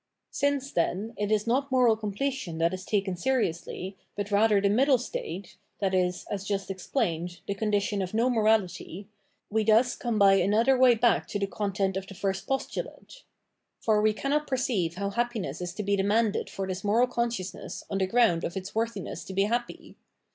Since, then, it is not moral completion that is taken seriously, but rather the middle state, i.e., as just ex plained, the condition of no morality, we thus come by another way back to the content of the first postu late. For we cannot perceive how happiness is to be demanded for this moral consciousness on the ground of its worthiness to be happy.